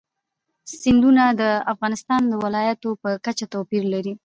سیندونه د افغانستان د ولایاتو په کچه توپیر لري.